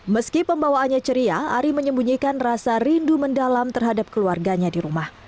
meski pembawaannya ceria ari menyembunyikan rasa rindu mendalam terhadap keluarganya di rumah